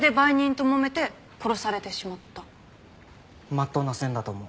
まっとうな線だと思う。